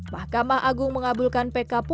mahkamah agung mengabulkan